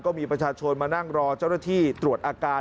ก็มีประชาชนมานั่งรอเจ้าหน้าที่ตรวจอาการ